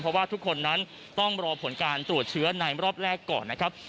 เพราะว่าทุกคนนั้นต้องรอผลการตรวจเชื้อในรอบแรกก่อนนะครับ